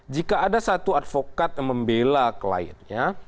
jika ada satu advokat membela kliennya